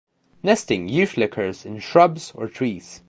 Nesting usually occurs in shrubs or trees.